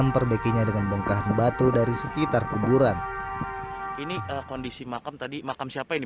memperbaikinya dengan bongkahan batu dari sekitar kuburan ini kondisi makam tadi makam siapa ini